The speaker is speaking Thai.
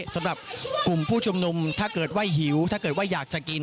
สำหรับกลุ่มผู้ชุมนุมถ้าเกิดว่าหิวถ้าเกิดว่าอยากจะกิน